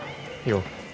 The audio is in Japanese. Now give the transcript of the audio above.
よう。